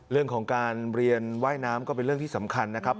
เรื่องของการเรียนว่ายน้ำก็เป็นเรื่องที่สำคัญนะครับ